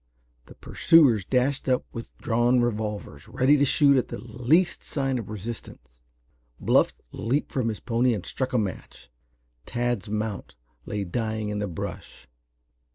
The pursuers dashed up with drawn revolvers, ready to shoot at the least sign of resistance. Bluff leaped from his pony and struck a match. Tad's mount lay dying in the brush.